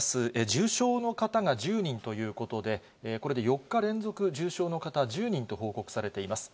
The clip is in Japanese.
重症の方が１０人ということで、これで４日連続、重症の方１０人と報告されています。